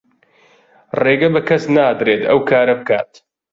ڕێگە بە کەس نادرێت ئەو کارە بکات.